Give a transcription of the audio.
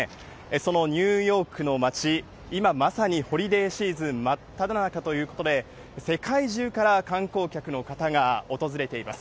そのニューヨークの街、今まさにホリデーシーズン真っただ中ということで、世界中から観光客の方が訪れています。